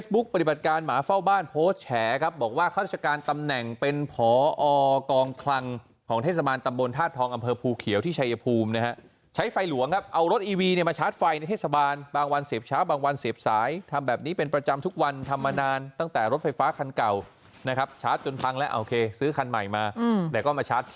บ้านโพสต์แชร์ครับบอกว่าค่าราชการตำแหน่งเป็นผอกองคลังของเทศบาลตำบลธาตุทองค์อำเภอพูเขียวที่ชายภูมินะฮะใช้ไฟหลวงครับเอารถอีวีเนี่ยมาชาร์จไฟในเทศบาลบางวันเสพเช้าบางวันเสพสายทำแบบนี้เป็นประจำทุกวันทำมานานตั้งแต่รถไฟฟ้าคันเก่านะครับชาร์จจนพังแล้วเอาเคซื้อค